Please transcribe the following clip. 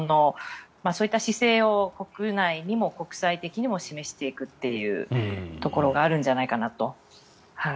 そういった姿勢を国内にも国際的にも示していくというところがあるんじゃないかなと。